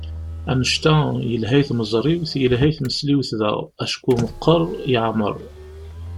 Annect-a, yelha i tmeẓriwt, yelha i tmesliwt daɣ, acku meqqer, yeɛmer.